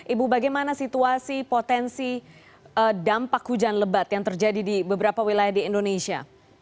ibu bagaimana situasi potensi dampak hujan lebat yang terjadi di beberapa wilayah di indonesia